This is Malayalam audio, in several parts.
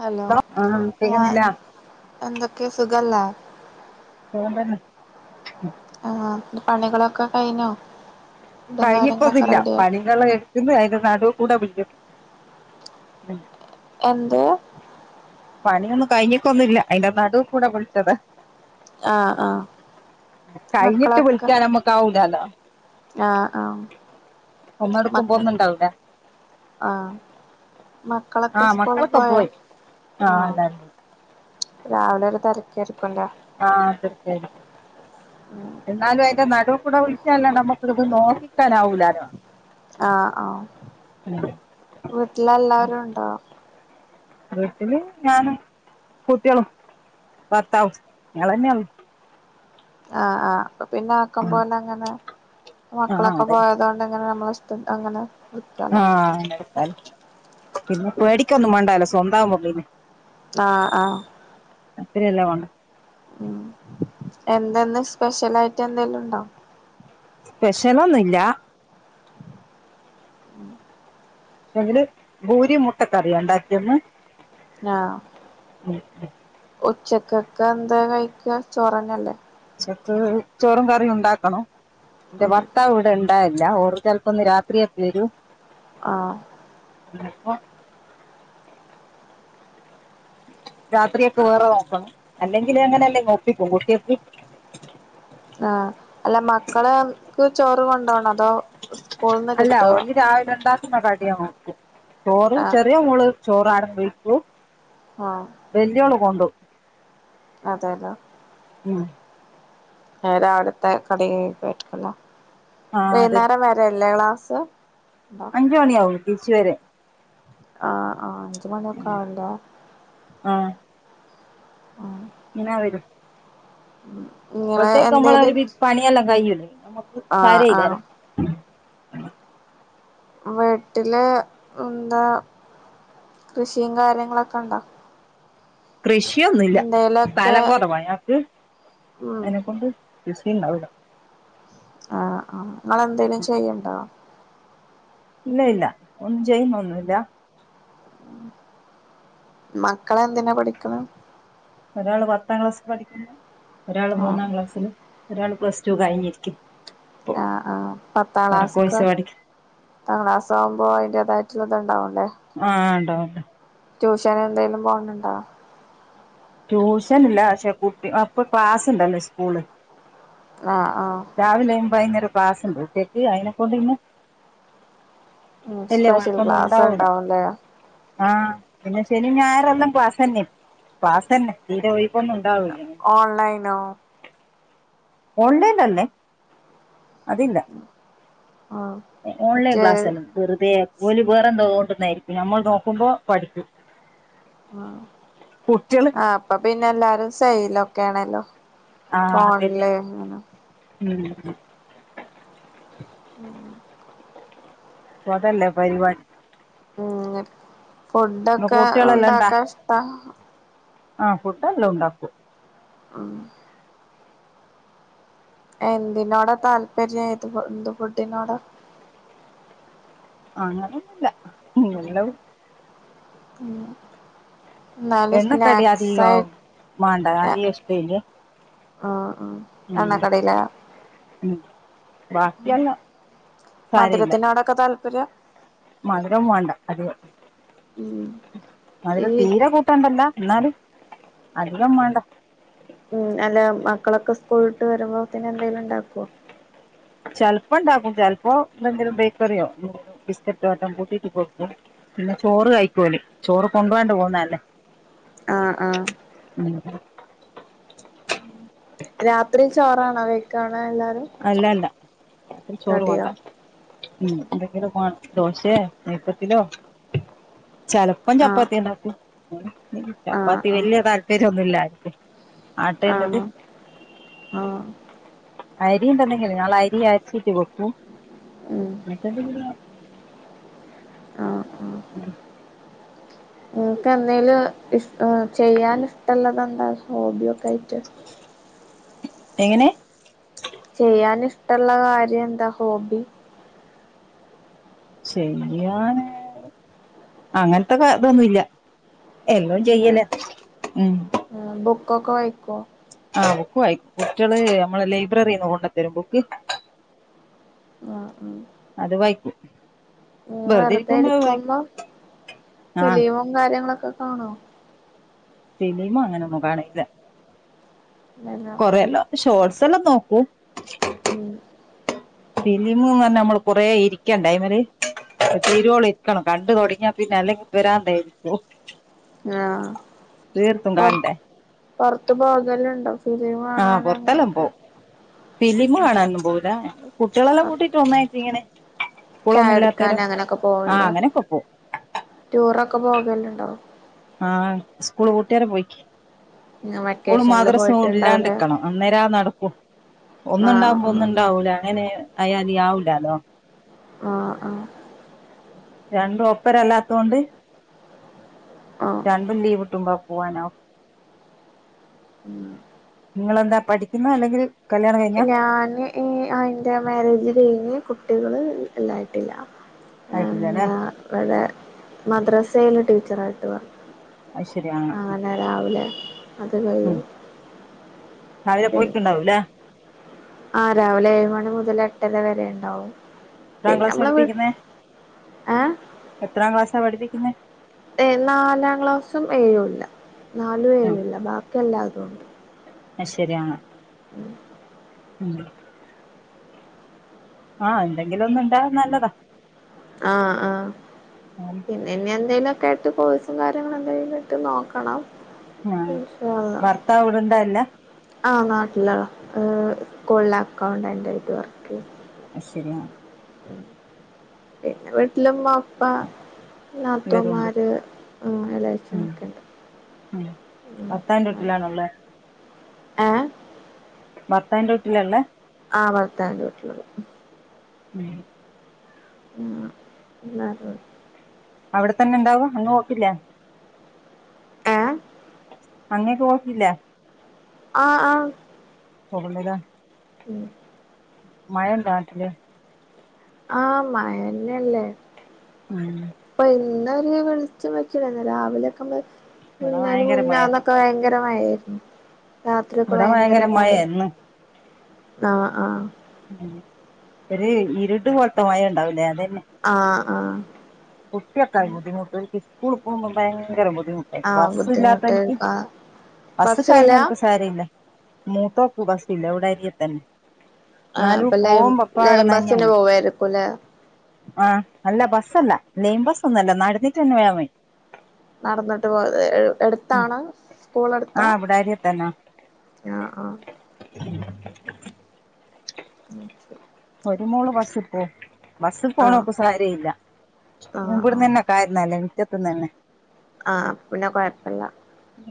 ഹലോ ആഹ് ആഹ് കേക്കുന്നില്ല എന്തൊക്ക സുഖല്ലേ? സുഖം തന്നെ ആഹ് പണികളൊക്കെ കഴിഞ്ഞോ? ഫുഡും കാര്യങ്ങളൊക്കെ കഴിഞ്ഞിപ്പോന്നില്ല റെഡിയോ പണികള് തീർന്ന് കഴിഞ്ഞു നടും കൂടെ വിട്ടു എന്ത് പണിയൊന്നും കഴിഞ്ഞിട്ടൊ ന്നുല്ല അയ്ന്റെ നടുകൂടെ വിളിച്ചതാ ആഹ് ആഹ് കഴിഞ്ഞ്ട്ട് മക്കളൊക്കെ വിളിക്കാൻ നമ്മക്കാവുല്ലല്ലോ ആഹ് ആഹ് മ ഒന്നട്ക്ക്മ്പോ ഒന്നുണ്ടാവൂലോ ആഹ് മക്കളൊക്കെ ആഹ് സ്കൂളിൽ മക്കളൊക്കെ പോയോ? പോയി ആഹ് എല്ലാരും പോയി രാവിലെ ഒരു തെരക്കായിരിക്കുലേ? ആഹ് തെരക്കായിരിക്കും എന്നാലും അതിന്റെ നടു കൂടെ വിളിച്ചാലല്ലേ നമ്മുക്കിത് നോക്കിക്കാനാവൂല്ല ആഹ് ആഹ് ഉം വീട്ട്ലെല്ലാരുണ്ടോ? വീട്ടില് ഞാനും കുട്ട്യോളും ഭർത്താവും ഞങ്ങളന്നെ ഉള്ളു ആഹ് ആഹ് അപ്പോ പിന്നെ ആക്കം പോലങ്ങനെ ആഹ് മക്കളൊക്കെ അതന്നെ പോയതോണ്ടങ്ങനെ നമ്മള് സ് [unintelligible] അങ്ങനെ നിക്കാലോ ആഹ് അങ്ങനെ എടുക്കാലോ പിന്നെ പേടിക്കൊന്നും മേണ്ടാലോ സ്വന്താകുമ്പോ പിന്നെ ആഹ് ആഹ് [unintelligible] ഉം എന്താന്ന് സ്പെഷ്യൽ ആയിട്ട് എന്തെലും ഇണ്ടോ? സ്പെഷലൊന്നുല്ല എങ്കില് ഭൂരിം മുട്ടക്കറിയ ഇണ്ടാക്കിയന്ന് ആഹ് ഉച്ചക്കൊക്കെ എന്താ കഴിക്കാൻ ചോറന്നല്ലേ ഉച്ചക്ക് ചോറും കറിം ഉണ്ടാക്കണം എന്റെ ഉം ഭർത്താവ് ഇവിടെ ണ്ടാവല്ല ഓര് ചെലപ്പ്ന്ന് രാത്രിയെ എത് വരും ആഹ് ഇന്ന് പ്പോ രാത്രിയക്കെ വേറെ നോക്കണം അല്ലെങ്കിൽ അങ്ങനെല്ലെ [unintelligible] പെൺകുട്ട്യാക്ക് ആഹ് അല്ല മക്കള്ക്ക് ചോറ് കൊണ്ടോണോ അതോ സ്കൂളിന്ന് കിട്ടോ? രാവില ഉണ്ടാക്കുന്നക്കടിയാ കൊട്ക്കും ചോറ് ആഹ് ചെറിയ മോള് ചോറ് അവിടെ പോയി കഴിക്കു ആഹ് വല്യോള് കൊണ്ടു പോകും അതേലോ ഉം ഏ രാവിലത്തെ കടി കഴിക്കലാ ആ അതെ വൈന്നേരംവരെല്ലേ ക്ലാസ്? [inaudible] അഞ്ച് മണിയാവും തിരിച്ചു വരാൻ ആഹ് ആഹ് അഞ്ച് മണിയൊക്കെ ആവുല്ലേ ആഹ് ആഹ് ഇങ്ങനെ വരും ഇങ്ങളെ ഇപ്പോഴത്തേക്ക് നമ്മള ഒരു എന്തേലും വി പണിയെല്ലാം കഴിയൂലേ നമുക്ക് ആഹ് ആഹ് സാരയില്ലല്ലോ വീട്ടില് എന്താ കൃഷിയും കാര്യങ്ങളൊക്കെണ്ടോ? കൃഷിയൊന്നുംല്ല എന്തേലൊക്കെ സ്ഥലം കുറവാ ഞങ്ങക്ക് ഉം അതിനെക്കൊണ്ട് കൃഷി ഉണ്ടാവുല്ല ആഹ് ആഹ് നിങ്ങളന്തേലും ചെയ്യ്ണ്ടോ? ഇല്ല ഇല്ല ഒന്നും ചെയുന്നെന്നുംല്ല മക്കളെ എന്തിനാ പഠിക്കണ? ഒരാള് പത്താം ക്ലാസ്സിൽ പഠിക്കുന്ന ഒരാള് ആഹ് മൂന്നാം ക്ലാസ്സില് ഒരാള് പ്ലസ് ടു കഴിഞ്ഞിരിക്ക്‌ ആഹ് ആഹ് പത്താം ക്ലാസ്ക്കെ പഠിക്കും ക്ലാസ്സ്‌ ആകുമ്പോ അതിന്റേതായിട്ടുള്ള ഇത് ഉണ്ടാവുംല്ലേ ആഹ് ഉണ്ടാവുണ്ട് ട്യൂഷൻ എന്തേലും പോണ്‌ണ്ടോ? ട്യൂഷൻ ഇല്ല പക്ഷെ കുട്ടി അ പ്പ ക്ലാസ്ണ്ടല്ലോ സ്കൂള് ആഹ് ആഹ് രാവിലെ വൈകുന്നേരോ ക്ലാസ് ഉണ്ട് ഉച്ചക്ക് അതിനെ കൊണ്ട് ഇന്നെ ഉം സ്പെഷ്യൽ കുഴപ്പമൊന്നും ക്ലാസ് ഉണ്ടാവൂല ഉണ്ടാവുല്ലെ ആഹ് പിന്നെ ശനി ഞായറേല്ലാം ക്ലാസ്സ്‌ തന്നെ ക്ലാസ്സ്‌ തന്നെ തീരെ ഒഴിവ് ഒന്നും ഉണ്ടാവുല്ലേ ഓൺലൈനോ ഓൺലൈൻ അല്ലേ അതില്ല ആഹ് ഓൺലൈൻ മറ്റേ ക്ലാസ്ല്ലാം വെറുതെ ഓല് വേറെ എന്തോ തോണ്ടന്നായിരിക്കും നമ്മൾ നോക്കുമ്പോ പഠിക്കും ആഹ് കുട്ടികള് ആഹ് അപ്പൊ പിന്നെ എല്ലാരും സൈയിലൊക്കെയാണല്ലോ ആഹ് അത് തന്നെ ഉം ഉം അപ്പൊ അതല്ലേ പരിപാ ങ്ങനെ ഇന്ന് ഫുഡൊക്കെ കുട്ടികളെല്ലാം ഇണ്ടാ ഉണ്ടാക്കാൻ ഇഷ്ടാ ആഹ് ഫുഡ് എല്ലാ ഉണ്ടാക്കും ഉം എന്തിനോടാ താല്പര്യം ഇത് എന്ത് ഫുഡിനോടാ അങ്ങനൊന്നുല്ലാ ഇങ്ങനെ ഉള്ളത് ഉം എന്നാല് എണ്ണക്കടി സ്നാക്സ് ആയി അധികം മാണ്ട അധികം ഇഷ്ട്ടെല്ലേ ആഹ് ആഹ് ഉം എണ്ണക്കടിയിലാ ഉം ബാക്കിയെല്ലാം സാരയില്ല മധുരത്തിനാെടൊക്കെ താല്പര്യ മധുരം വേണ്ട അധികം ഉം ഈ മധുരം തീരെ പ റ്റണ്ടല്ല എന്നാലും അധികം വേണ്ട ഉം അല്ല മക്കളൊക്കെ സ്കൂൾ വിട്ട് വരുമ്പോതേന് എന്തെലുണ്ടാക്കോ ചെലപ്പോണ്ടാക്കും ചെലപ്പോ എന്തെങ്കിലും ബേക്കറിയോ ബിസ്ക്കറ്റോ എട്ടം കൂട്ടിട്ട് കൊടുക്കും പിന്നെ ചോറ് കഴക്കൂന് ചോറ് കൊണ്ട് വാണ്ട് പോവുന്നതല്ലേ ആഹ് ആഹ് ഉം ഉം രാത്രി ചോറാണോ കഴിക്കാണേ എല്ലാരും അല്ല അല്ല രാത്രി ചോറു വേണ്ട കടിയോ ഉം എന്തെങ്കിലും വേണം ദോശയോ നെയ് പത്തലോ ചെല പ്പോ ആഹ് ചപ്പാത്തിണ്ടാക്കും ആഹ് ചപ്പാത്തി ആഹ് വല്ല്യ താല്പര്യന്നുല്ല ആർക്കും ആട്ടേന്റത് ആണോ ആഹ് അരിണ്ടന്നെങ്കില് ഞളെ അരി അരച്ചീട്ട് വെക്കും ഉം എന്നിട്ടെന്തെങ്കിലും അ ഉം നിക്ക് എന്തേലും ഇഷട ചെയ്യാൻ ഇഷ്ട്ടൊള്ളതെന്താ ഹോബിയൊക്കായിട്ട് എങ്ങനെ ചെയ്യാൻ ഇഷ്ട്ടൊള്ള കാര്യന്താ ഹോബി ചെയ്യാന് അങ്ങനത്തെ കാ തൊന്നുല്ല്യ എല്ലോം ചെയ്യല ഉം ആഹ് ബുക്കൊക്കെ വായിക്കോ ആഹ് ബുക്ക് വായിക്കും കുട്ടിയള് നമ്മളെ ലൈബ്രറിന്ന് കൊണ്ടത്തരും ബുക്ക് ആഹ് ആഹ് അത് വായിക്കും ങ്ങള് വെറുതെ ഇരിക്കുമ്പോ ആ ഫിലീമും കാര്യങ്ങളൊക്കെ കാണോ ഫിലീമും അങ്ങനൊന്നും കാണില്ല വെള്ളം കൊറെല്ലാം ഷോർട്സ് എല്ലാം നോക്കും മ് ഫിലിമ്ന്ന് പറഞ്ഞ നമ്മള് കൊറെ ഇരിക്കണ്ടേയിമില് തിരുവോളം ഇരിക്കണം കണ്ടു തൊടങ്ങിയാ പിന്നെ അല്ലെങ്കി പിരാന്തായി പോവും ആ പൊർ കാണണ്ടേ പൊറത്ത് പോകലുണ്ടോ ഫിലിം ആഹ് കാണാന് പൊറത്തെല്ലാം അങ്ങനെയൊക്കെ പോവും ഫിലീമ് കാണാനൊന്നും പോവില്ല കുട്ടികളെല്ലാം കൂട്ടിട്ട് ഒന്നായിട്ടിങ്ങനെ സ്കൂളൊന്നും ചായ കുടിക്കാൻ ഇല്ലാത്തെരോ അങ്ങനൊക്കെ ആ പോവല് അങ്ങനോക്കെ പോവും ടൂറൊക്കെ പോകലുണ്ടോ ആഹ് സ്കൂള് പൂട്ടിയെരെ പോയിക്ക് സ്കൂളും വെക്കേഷനിൽ മദ്രസും പോയിട്ടുണ്ടാവൂലേ ഇല്ലാണ്ട്ക്കണം അന്നേര നടക്കൂ ആഹ് ഒന്നുണ്ടാവുമ്പോ ഒന്നും ആഹ് ഉണ്ടാവൂല അങ്ങനെ ആയാലി ആവൂല്ലല്ലോ ആഹ് ആഹ് രണ്ടും ഒപ്പരല്ലാത്തൊണ്ട് ആഹ് രണ്ടും ലീവ് കിട്ടുമ്പാ പോവാനാവു ഉം നിങ്ങളെന്താ പഠിക്കുന്നോ അല്ലെങ്കിൽ കല്യാണം കഴിഞ്ഞാ ഞാന് ആ യിന്റെ മാരേജ് കഴിഞ്ഞ് കുട്ടികള് ഇല്ലായിട്ടില്ല ആയിട്ടില്ലല്ലേ എന്താ ഇവിടെ മദ്രസയില് ടീച്ചറായിട്ട് പോവ അയ് ശരി ആഹ് ആഹ് രാവിലെ അത് കഴിയും രണ്ടും ണ്ടാവൂലെ ആഹ് രാവിലെ ഏഴ് മണി മുതൽ എട്ടര വരെണ്ടാവും എത്രാം പിന്നെ ക്ലാസ്സാ നമ്മള പഠിപ്പിക്കുന്നേ ഏ എത്രാം ക്ലാസ്സാ പഠപ്പിക്കുന്നത് ഏ നാലാം ക്ലാസ്സും ഏഴു മില്ല നാലും ഏഴൂല്ല ബാക്കിയല്ലാതുംണ്ട് ആ ശരിയാണ് ഉം ഉം ആഹ് എന്തെങ്കിലും ഒന്നും ഉണ്ടാ നല്ലതാ ആഹ് ആഹ് ആന്ന് പിന്നെ ഇനി എന്തേലുംക്കെ ആട്ട് കോഴ്സും കാര്യങ്ങള എന്തെങ്കും ഇട്ട് നോക്കണം ആഹ് ഇൻ ഷാ ള്ളാ ഭർത്താവ് ഇവിടെണ്ടാ ഇല്ല ആ നാട്ടിലാസ്കുളില് അക്കൗണ്ടന്റ് ആയിട്ട് വർക്ക് ചെയ അയ്ശരി ആഹ് പിന്നെ വീട്ടില് ഉമ്മ ഉപ്പാ എല്ലാരും ഉണ്ട് നാത്തൂന്മാര് എളയച്ചൻ ഒക്കെയുണ്ട് ഉ ഭർത്താവിന്റെ വീട്ടിലാണോ ഉള്ളത് ഏ ഭർത്താവിന്റെവീട്ടിലല്ലേ ആഹ് ഭർത്താവിന്റെ വീട്ടില് ഉം പിന്നെ എല്ലാരും അവിടെത്തന്നെ ഉണ്ടാവും എങ്ങും പോക്കില്ലെ ഏ അങ്ങേക്ക് പോക്കില്ലെ ആഹ് ആഹ് പോകുന്നില്ലേ ഉം മഴ ഉണ്ടോ നാട്ടില് ആഹ് മഴന്നെയല്ലേ ഉം ഇപ്പൊ ഇന്ന ഒരുര് വെളിച്ചം വെക്കില്ല രാവിലെ ഒക്കെ ഇവിടെ പിന്ന ഭയങ്കര മഴ മുന്നാന്ന് ഒക്കെ ഭയങ്കരമയയായിരുന്നു രാത്രിയൊക്കെ ഇവിടെ ഭയങ്കര ഭയങ്കരമയ മഴയാ ഇന്ന് ആഹ ആഹ് ഒരു ഇരുട് പോലത്തെമയ ഉണ്ടാവൂലേ അതന്നെ- ആഹ് ആഹ് - കുട്ടിയക്കായി ബുദ്ധിമുട്ട്നി സ്കൂള പോകുമ്പോ ഭയങ്ക ബുദ്ധിമുട്ട് ആഹ് ബുദ്ധിമുട്ട് ബസ്ല്ലാത്തരിക്ക് ആഹ് ബസ് ബസ്സില്ല കായറണവവർക്ക്- സാരില്ല മൂത്തോക്ക് ബസില്ല എവിടെ അരിയ തന്നെ ആഹ് എന്നാലും അപ്പൊ ലൈൻ പോകുമ പക്ക ലൈൻ ബസ്സിന് അടന്നന്നെയ പോവായിരിക്കുംല്ലേ ആഹ് അല്ല ബസ്സല്ല ലെയിൻ ബസ് ഒന്നുംല്ല നുന്നിട്ട് തന്നെ വേ വ നടന്നിട്ട് പോയത് എടുത്താണ് സ്കൂൾടു- ആഹ് ഇവിടെ ആരിയ തന്നോ ആഹ് ആഹ് [inaudible] [inaudible] ഒരു മോള് ബസ്സിൽ പോ ബസ്സിൽ ആഹ് പോണക്ക ആഹ് സരിഇല്ലൻഇവ്ടെന്ന്ന്നെ ആഹ് [unintelligible] മറ്റത്തന്ന് തന്ന ആഹ് പിന്നെ കുഴപ്പമില്ല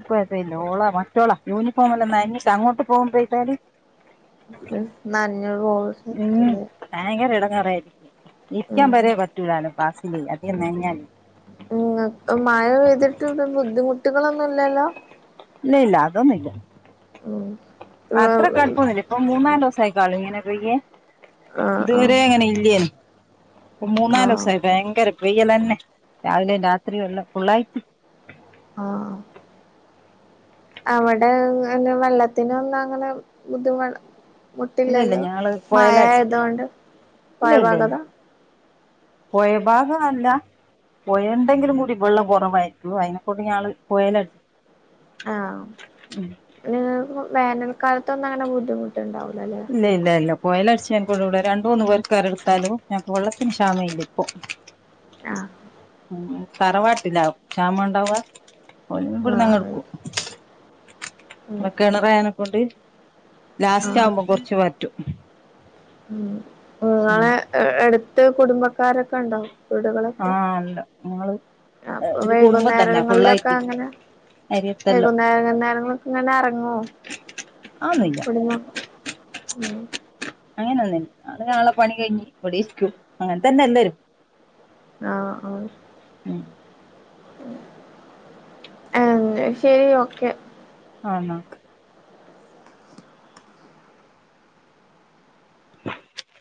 കുഴപ്പില്ല ഓളാ മറ്റോളാ യൂണിഫോം എല്ലാം നനീട്ട് അങ്ങോട്ട് പോകുമ്പോഴട്ടാല് ഉം നഞ്ഞൊരുട്ടല്ലേ ഭയങ്കര ഇടങ്ങേറായിരിക്കാ ഇരിക്കാൻ ഉം വരെ പറ്റൂലാലോ ക്ലാസില് അധികം നനഞ്ഞാൽ ഇങ്ങ മഴ പെയ്തിട്ട് ഇവിടെ ബുദ്ധിമുട്ടുകളൊന്നുംല്ലല്ലോ? ഇല്ല ഇല്ല. അതൊന്നും ഇല്ല. ഓഹ്. അത്ര കടുപ്പൊന്നില്ല ഇപ്പൊ മൂന്നാല് ദിവസ ആയിക്കാളും ഇങ്ങനെ പെയ്യേ ആഹ് ആഹ് ഇതുവരെ അങ്ങനെ ഇല്ലേ ഇപ്പ മൂന്നാല് ആഹ് ദിവസായി ഭയങ്കര പെയ്യലന്നെ രാവിലെയും രാത്രിയുമെല്ലാം എല്ലാം ഫുള്ളായിട്ട്. ആഹ് അവിടെെ വെള്ളത്തിന ഒന്ന അങ്ങനെ ബുദ്ധിമ ഇല്ല ഇല്ല മുട്ടില്ലല്ലോ ഞങ്ങള് കൊയലടിച്ച് മഴയായതുകൊണ്ട് പൊയഭാഗത പൊയഭാഗം അല്ല പൊയ ഉണ്ടെങ്കിലും കൂടി വെള്ളം കുറവായിരിക്കും. അതിനെക്കൂടി ഞങ്ങള് പൊയേലടിച്ച് ഉം. ന് വേനൽക്കാലത്തൊന്നും അങ്ങനെ ബുദ്ധിമുട്ടുണ്ടാവൂല്ല അല്ലേ? ഇല്ല ഇല്ല ഇല്ല പൊയേല് അടിച്ച ഞങ്ങക്ക് ഇവിടെ രണ്ടു മൂന്ന് പൊരക്കാര് എടുത്താലും ഞങ്ങക്ക് വെള്ളത്തിന് ക്ഷാമ ഇല്ല ഇപ്പൊ. ആഹ് തറവാട്ടില ക്ഷാമ ഉണ്ടാവ. ഓന് ഇവിടെന്നങ്ങ് ആഹ് എടുക്കും- കിണറായനെക്കൊണ്ട് ലാസ്റ്റ് ആഹ് ആകുമ്പോ കുറച്ച് വറ്റും. ഉം ഉം ഇങ്ങളെ അടുത്ത് കുടുംബക്കാരൊക്കെ ഉണ്ടോ? വീടുകളൊക്കെ ആഹ് അല്ല ഞങ്ങള് അപ്പൊ ഒരു കുടുംബം തന്നെ വൈകുന്നേരങ്ങളിലൊക്കെ ഫുള്ളായിട്ട് അങ്ങനെ അരിയത്തെല്ലാം വൈകുന്നേര നേരങ്ങളൊക്കെ ഇങ്ങനെ ഇറങ്ങു അതൊന്നുമില്ല [unintelligible] ഉം. അങ്ങനെയെന്നൂല്ല. ഞങ്ങള് ഞങ്ങടെ പണി കഴിഞ്ഞ് ഇവിടെരിക്കും. അങ്ങനെ തന്നെ എല്ലാവരും. ആഹ് ആഹ് ആഹ് അങ്ങ് ശരി ഓക്കെ. ആണാ [inaudible]